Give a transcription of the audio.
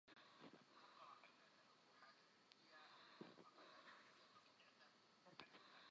ڕۆژێک چوومە کتێبخانەی لێنین لە مۆسکۆ